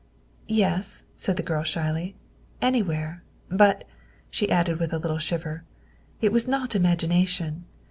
" Yes," said the girl shyly, " anywhere. But," she added with a little shiver, " it was not imagination.